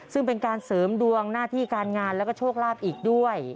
ซึ่งเป็นการเสริมดวงหน้าที่การงานแล้วก็โชคลาภอีกด้วย